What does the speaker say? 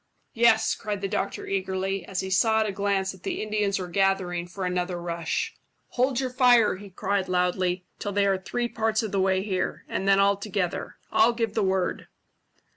"Yes," cried the doctor eagerly, as he saw at a glance that the Indians were gathering for another rush. "Hold your fire," he cried loudly, "till they are three parts of the way here, and then all together. I'll give the word."